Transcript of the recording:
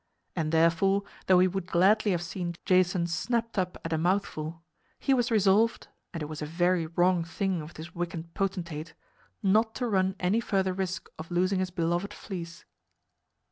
And therefore, though he would gladly have seen Jason snapped up at a mouthful, he was resolved (and it was a very wrong thing of this wicked potentate) not to run any further risk of losing his beloved fleece.